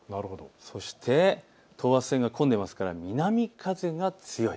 そして等圧線が混んでますから南風が強い。